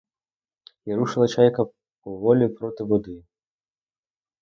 І рушила чайка поволі проти води.